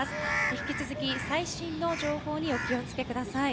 引き続き最新の情報にお気を付けください。